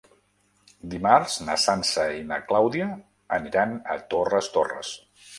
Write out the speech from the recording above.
Dimarts na Sança i na Clàudia aniran a Torres Torres.